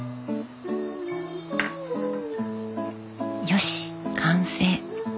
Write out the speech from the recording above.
よし完成。